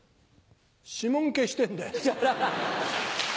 指紋消してんだよ。